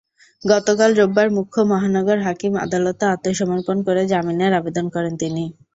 গতকাল রোববার মুখ্য মহানগর হাকিম আদালতে আত্মসমর্পণ করে জামিনের আবেদন করেন তিনি।